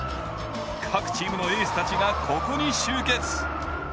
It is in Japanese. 各チームのエースたちがここに集結。